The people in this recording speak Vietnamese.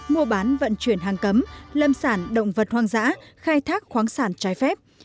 mua bán vận chuyển hàng cấm lâm sản động vật hoang dã khai thác khoáng sản trái phép